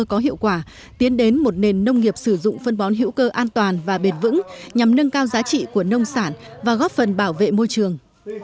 có hiệu quả tiến đến một nền nông nghiệp sử dụng phân bón hữu cơ an toàn và bền vững nhằm nâng cao giá trị của nông sản và góp phần bảo vệ môi trường